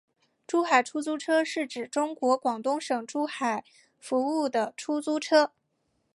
珠海出租车是指在中国广东省珠海市服务的出租车。